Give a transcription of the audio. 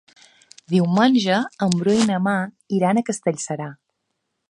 Diumenge en Bru i na Mar iran a Castellserà.